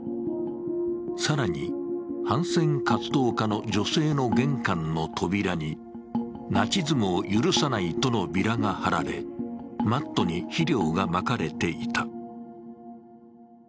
更に反戦活動家の女性の玄関の扉に、「ナチズムを許さない」とのビラが貼られマットに肥料がまかれていた。